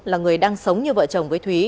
là người đang sống như vợ chồng với thúy